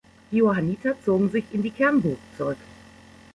Die Johanniter zogen sich in die Kernburg zurück.